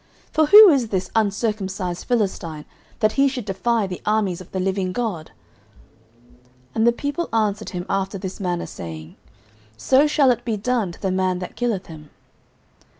for who is this uncircumcised Philistine, that he should defy the armies of the living God? 09:017:027 And the people answered him after this manner, saying, So shall it be done to the man that killeth him.